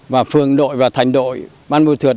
và phường đội và thành đội bôn ma thuật